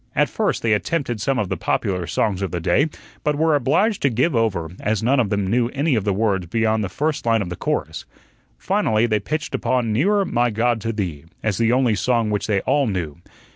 At first they attempted some of the popular songs of the day, but were obliged to give over as none of them knew any of the words beyond the first line of the chorus. Finally they pitched upon "Nearer, My God, to Thee," as the only song which they all knew.